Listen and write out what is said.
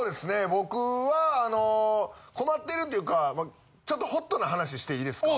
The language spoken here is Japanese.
僕はあの困ってるっていうかちょっとホットな話していいですか？